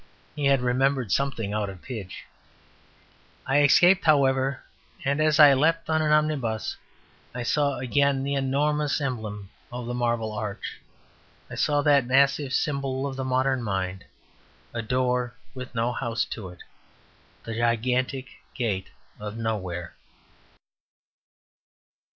He had remembered something out of Pidge. I escaped, however, and as I leapt on an omnibus I saw again the enormous emblem of the Marble Arch. I saw that massive symbol of the modern mind: a door with no house to it; the gigantic gate of Nowhere.